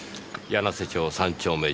柳瀬町３丁目１７。